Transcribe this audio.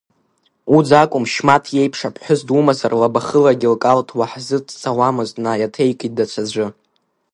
Уӡ акәым, Шьмаҭ иеиԥш аԥҳәыс думазар лабахылагьы лкалҭ уаҳзыҵцауамызт, наиаҭеикит даҽаӡәы.